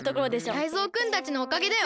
タイゾウくんたちのおかげだよ。